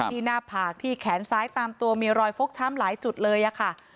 หน้าผากที่แขนซ้ายตามตัวมีรอยฟกช้ำหลายจุดเลยค่ะ